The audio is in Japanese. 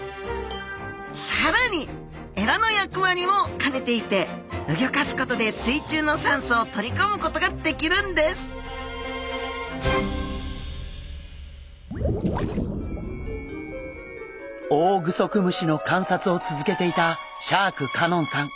更にエラの役割も兼ねていて動かすことで水中の酸素を取り込むことができるんですオオグソクムシの観察を続けていたシャーク香音さん。